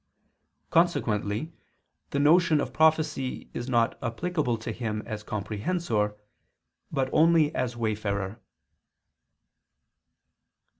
Consequently the notion of prophecy is not applicable to Him as a comprehensor, but only as a wayfarer.